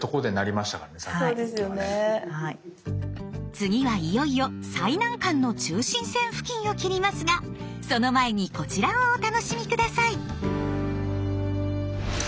次はいよいよ最難関の中心線付近を切りますがその前にこちらをお楽しみ下さい。